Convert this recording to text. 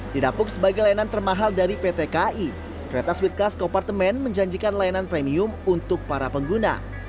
didapuk sebagai layanan termahal dari pt ki kereta sweet kelas kompartemen menjanjikan layanan premium untuk para pengguna